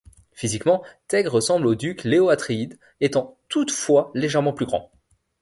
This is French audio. Physiquement, Teg ressemble au Duc Leto Atréides, étant toutefois légèrement plus grand.